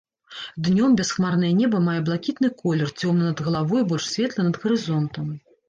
Днём бясхмарнае неба мае блакітны колер, цёмны над галавой, больш светлы над гарызонтам.